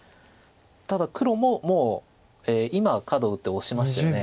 ただ黒ももう今カドを打ってオシましたよね。